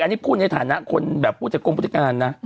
อันนี้พูดในฐานะคนแบบผู้จัดกรมพฤติการนะ